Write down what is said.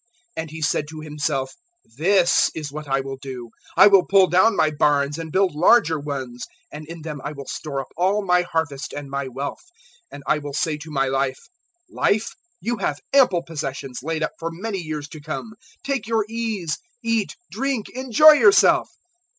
012:018 "And he said to himself, "`This is what I will do: I will pull down my barns and build larger ones, and in them I will store up all my harvest and my wealth; 012:019 and I will say to my life, "`Life, you have ample possessions laid up for many years to come: take your ease, eat, drink, enjoy yourself.'